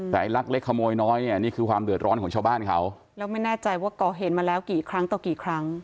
แต่ไอลักเล็กขโมยน้อยเนี่ยนี่คือความเดือดร้อนของชาวบ้านเขาแล้วไม่แน่ใจว่าก่อเหตุมาแล้วกี่ครั้งต่อกี่ครั้ง